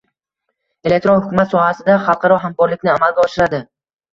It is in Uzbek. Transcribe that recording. elektron hukumat sohasida xalqaro hamkorlikni amalga oshiradi.